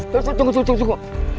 tunggu tunggu tunggu